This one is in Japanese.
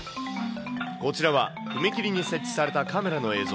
こちらは踏切に設置されたカメラの映像。